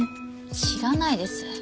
知らないです。